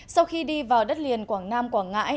sau khi đi vào đất liền quảng nam quảng ngãi